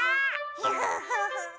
フフフフ。